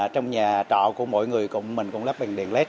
trong nhà trọ của mỗi người mình cũng lắp bình đèn led